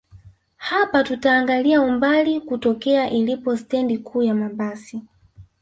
Hapa tutaangalia umbali kutokea ilipo stendi kuu ya mabasi